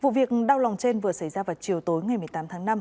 vụ việc đau lòng trên vừa xảy ra vào chiều tối ngày một mươi tám tháng năm